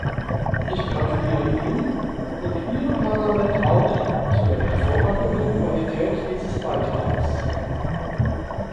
Ich gratuliere ihm und Ihrem Parlament auch zu der hervorragenden Qualität dieses Beitrags.